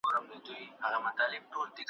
غوره داده چې په مصر کې غلام دی